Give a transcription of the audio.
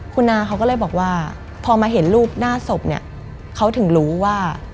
คุณนาเขาก็เลยบอกว่าพอมาเห็นรูปหน้าศพเนี่ยเขาถึงรู้ว่า